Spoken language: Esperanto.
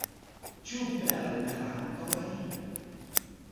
Ĉu per perantoj?